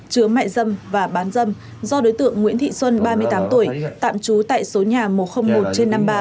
chứa mại dâm và bán dâm do đối tượng nguyễn thị xuân ba mươi tám tuổi tạm trú tại số nhà một trăm linh một trên năm mươi ba